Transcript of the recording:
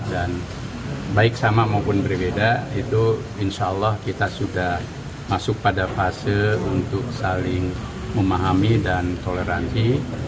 dan baik sama maupun berbeda itu insya allah kita sudah masuk pada fase untuk saling memahami dan toleransi